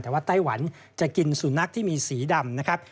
แต่ว่าไต้หวันจะกินสุนัขที่มีสีดำนะครับ